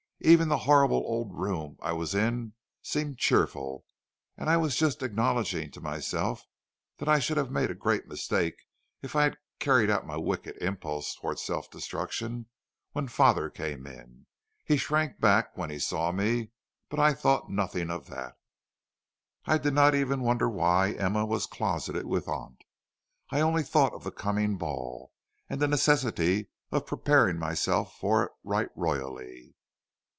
Even the horrible old room I was in seemed cheerful, and I was just acknowledging to myself that I should have made a great mistake if I had carried out my wicked impulse toward self destruction, when my father came in. He shrank back when he saw me; but I thought nothing of that; I did not even wonder why Emma was closeted with aunt. I only thought of the coming ball, and the necessity of preparing myself for it right royally.